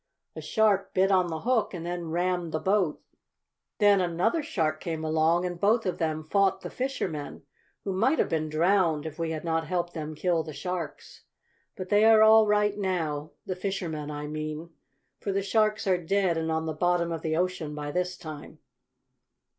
A shark bit on the hook and then rammed the boat. "Then another shark came along and both of them fought the fishermen, who might have been drowned if we had not helped them kill the sharks. But they are all right now the fishermen, I mean for the sharks are dead and on the bottom of the ocean by this time."